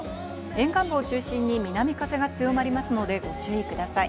沿岸部を中心に南風が強まりますのでご注意ください。